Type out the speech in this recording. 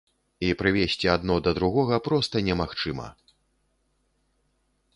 І прывесці адно да другога проста немагчыма.